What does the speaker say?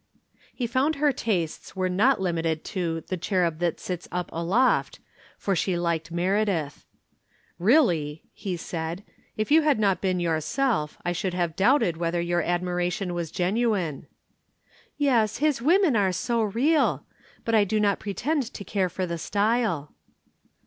] He found her tastes were not limited to The Cherub That Sits Up Aloft, for she liked Meredith. "Really," he said, "if you had not been yourself, I should have doubted whether your admiration was genuine." "Yes, his women are so real. But I do not pretend to care for the style."